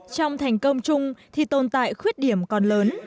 trong thành công chung thì tồn tại khuyết điểm còn lớn